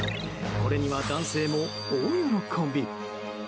これには男性も大喜び。